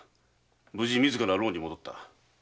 無事自ら牢に戻った。